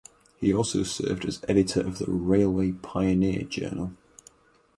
He also served as editor of "The Railway Pioneer" journal.